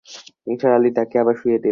নিসার আলি তাকে আবার শুইয়ে দিলেন।